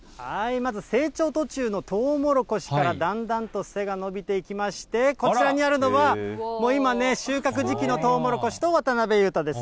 まず、成長途中のトウモロコシからだんだんと背が伸びていきまして、こちらにあるのは、今、収穫時期のトウモロコシと渡辺裕太です。